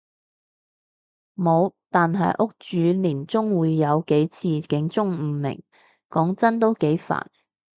無，但係屋主年中會有幾次警鐘誤鳴，講真都幾煩